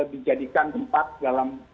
dijadikan tempat dalam